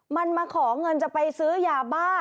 มันมาขอเงินจะไปซื้อยาบ้า